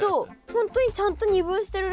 本当にちゃんと二分してるらしいです